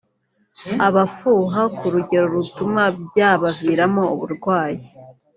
Abafuha ku rugero rutuma byabaviramo uburwayi